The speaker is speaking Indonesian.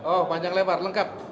oh panjang lebar lengkap